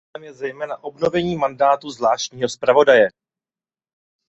Jeho cílem je zejména obnovení mandátu zvláštního zpravodaje.